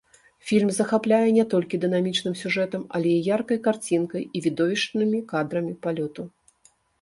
Фільм захапляе не толькі дынамічным сюжэтам, але і яркай карцінкай, і відовішчнымі кадрамі палёту.